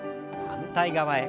反対側へ。